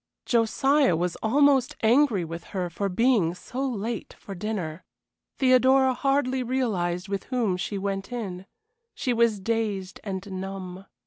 Josiah was almost angry with her for being so late for dinner. Theodora hardly realized with whom she went in; she was dazed and numb.